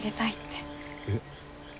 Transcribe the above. えっ。